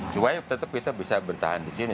cukup cukup kita bisa bertahan di sini